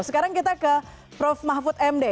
sekarang kita ke prof mahfud md